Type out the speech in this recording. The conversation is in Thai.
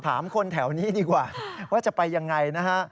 ถามคนแถวนี้ดีกว่าว่าจะไปยังไงนะฮะ